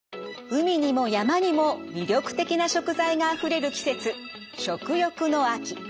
海にも山にも魅力的な食材があふれる季節食欲の秋。